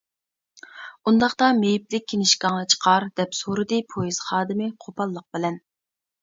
-ئۇنداقتا مېيىپلىك كىنىشكاڭنى چىقار-دەپ سورىدى پويىز خادىمى قوپاللىق بىلەن.